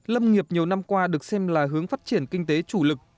lâm nghiệp nhiều năm qua được xem là hướng phát triển kinh tế chủ lực